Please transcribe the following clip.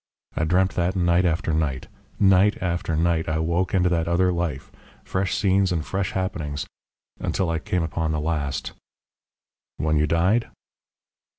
I dreamt that night after night. Night after night I woke into that other life. Fresh scenes and fresh happenings until I came upon the last " "When you died?"